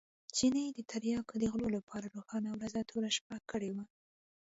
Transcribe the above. چیني د تریاکو د غلو لپاره روښانه ورځ توره شپه کړې وه.